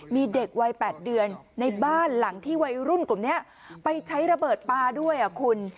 มีเด็กวัย๘เดือนในบ้านหลังที่วัยรุ่นกลุ่มนี้ไปใช้ระเบิดปลาด้วยคุณ